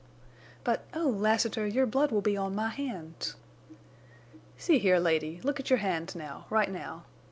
"But, oh, Lassiter—your blood will be on my hands!" "See here, lady, look at your hands now, right now.